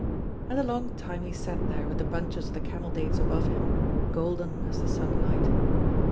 And a long time he sat there with the bunches of the camel dates above him, golden as the sunlight.